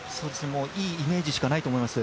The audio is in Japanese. いいイメージしかないと思います。